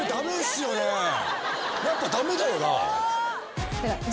やっぱ駄目だよな。